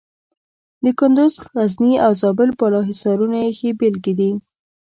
د کندز، غزني او زابل بالا حصارونه یې ښې بېلګې دي.